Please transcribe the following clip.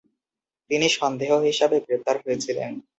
তিনি সন্দেহ হিসাবে গ্রেপ্তার হয়েছিলেন।